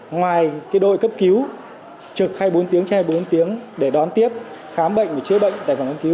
ngoài đội cấp cứu trực hai mươi bốn tiếng trên hai mươi bốn tiếng để đón tiếp khám bệnh và chữa bệnh tại phòng khám cứu